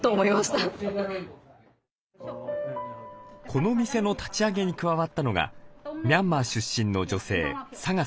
この店の立ち上げに加わったのがミャンマー出身の女性サガさん。